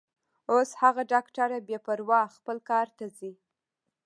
اوس هغه ډاکټره بې پروا خپل کار ته ځي.